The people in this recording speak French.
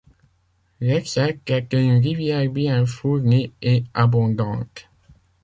L'Aixette est une rivière bien fournie et abondante.